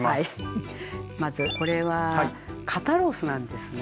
まずこれは肩ロースなんですね。